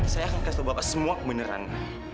saya akan kasih bapak semua kebenaran